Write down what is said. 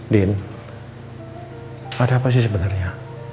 din ada apa sih sebenarnya